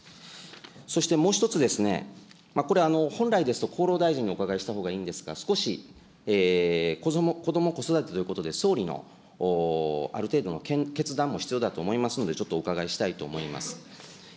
そしてもう一つ、これ、本来ですと、厚労大臣にお伺いしたほうがいいんですが、少しこども・子育てということで、総理のある程度の決断も必要だと思いますんで、ちょっとお伺いしたいと思います。